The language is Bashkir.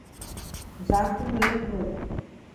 — Зар түгел был.